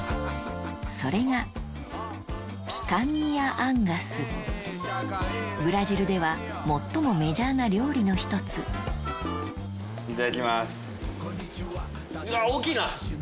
それがブラジルでは最もメジャーな料理の１つ出た！